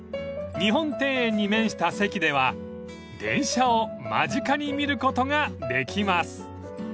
［日本庭園に面した席では電車を間近に見ることができます］